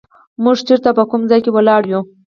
موږ چېرته او په کوم ځای کې ولاړ یو.